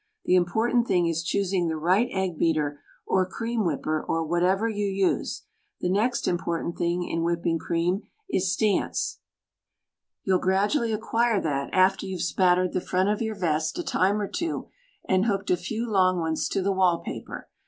The important thing is choosing the right egg beater or cream whipper or whatever you use. The next important thing in whipping cream is stance. You'll [6i] THE STAG COOK BOOK gradually acquire that, after you've spattered the front of your vest a time or two, and hooked a few long ones to the wall paper.